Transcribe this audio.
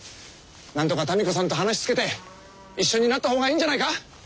なんとか民子さんと話つけて一緒になった方がいいんじゃないか？